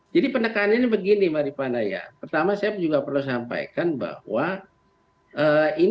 jadi pendekannya ini begini maripandanya pertama saya juga perlu sampaikan bahwa ini adalah merupakan satu tugas kewenangan kita untuk memberikan